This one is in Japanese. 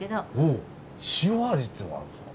お塩味っていうのもあるんですか。